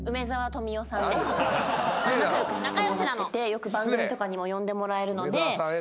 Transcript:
よく番組とかにも呼んでもらえるので。